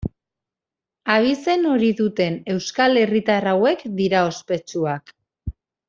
Abizen hori duten euskal herritar hauek dira ospetsuak.